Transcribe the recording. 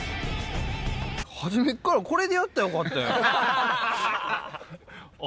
初めっからこれでやったらよかったやん。